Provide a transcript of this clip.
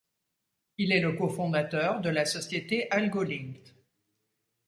Il est le cofondateur de la société AlgoLinked.